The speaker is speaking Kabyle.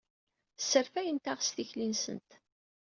Sserfayent-aɣ s tikli-nsent.